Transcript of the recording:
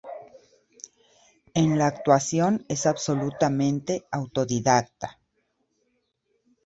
En la actuación es absolutamente autodidacta.